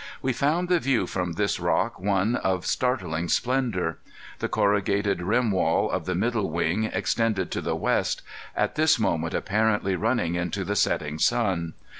We found the view from this rock one of startling splendor. The corrugated rim wall of the middle wing extended to the west, at this moment apparently running into the setting sun.